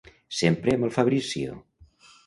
Sempre amb el Fabrizio...